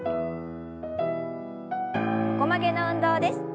横曲げの運動です。